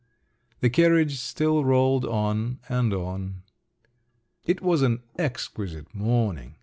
The carriage still rolled on and on. It was an exquisite morning.